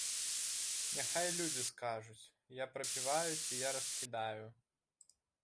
Няхай людзі скажуць, я прапіваю ці я раскідаю?